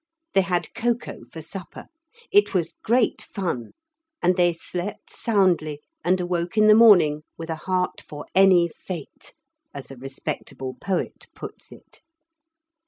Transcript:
They had cocoa for supper. It was great fun, and they slept soundly and awoke in the morning with a heart for any fate, as a respectable poet puts it.